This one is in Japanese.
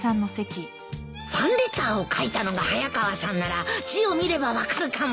ファンレターを書いたのが早川さんなら字を見れば分かるかも。